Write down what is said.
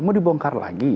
mau dibongkar lagi